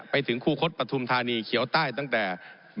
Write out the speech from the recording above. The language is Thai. ผมอภิปรายเรื่องการขยายสมภาษณ์รถไฟฟ้าสายสีเขียวนะครับ